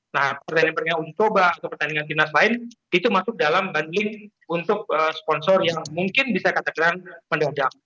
nah pertandingan pertandingan untuk pertandingan kinas lain itu masuk dalam banding untuk sponsor yang mungkin bisa kata kata mendadak